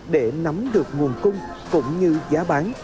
để nắm được nguồn cung cũng như giá bán